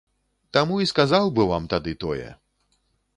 Таму і сказаў быў вам тады тое.